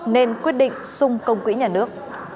nên quyết định sung công quỹ nhà nước